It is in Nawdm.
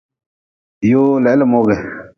Yoo le he le mogi.